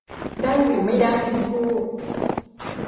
ได้หรือไม่ได้เงินกู้